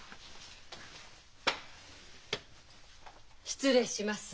失礼します。